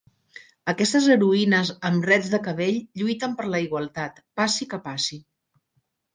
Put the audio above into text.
Aquestes heroïnes amb rets de cabell lluiten per la igualtat, passi què passi.